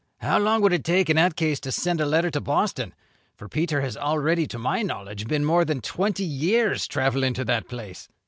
How long would it take, in that case, to send a letter to Boston? For Peter has already, to my knowledge, been more than twenty years travelling to that place."